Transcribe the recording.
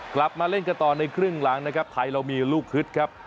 กลับมาเล่นกันต่อในครึ่งหลังนะครับไทยเรามีลูกฮึดครับ